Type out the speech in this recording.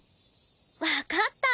わかった！